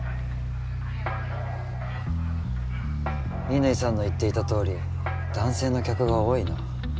乾さんの言っていたとおり男性の客が多いな。